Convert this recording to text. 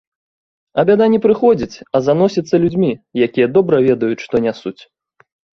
А бяда не прыходзіць, а заносіцца людзьмі, якія добра ведаюць, што нясуць.